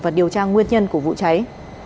và điều tra nguyên nhân của vụ cháy